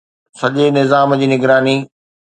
سڄي نظام جي نگراني